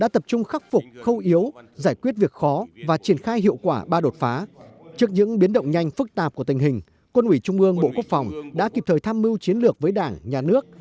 trong những biến động nhanh phức tạp của tình hình quân ủy trung ương bộ quốc phòng đã kịp thời tham mưu chiến lược với đảng nhà nước